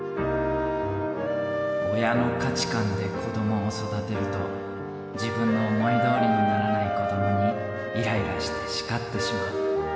親の価値観で子どもを育てると、自分の思いどおりにならない子どもに、いらいらして叱ってしまう。